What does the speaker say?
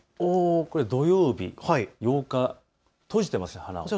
これ土曜日、８日、閉じてますね、花が。